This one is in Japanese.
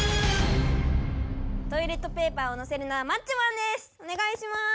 トイレットペーパーをのせるのはマッチョマンです。